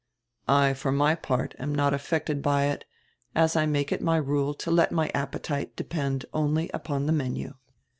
"I for my part am not affected by it, as I make it my rule to let my appetite depend only upon the menu."